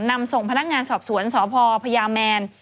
นำส่งพนักงานสอบสวนสพพญาแมน